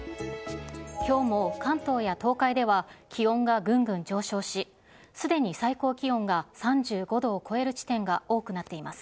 きょうも関東や東海では気温がぐんぐん上昇し、すでに最高気温が３５度を超える地点が多くなっています。